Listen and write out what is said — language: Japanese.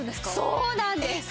そうなんです。